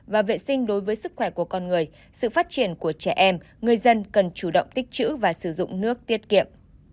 và vệ sinh đối với sức khỏe của con người sự phát triển của trẻ em người dân cần chủ động tích chữ và sử dụng nước tiết kiệm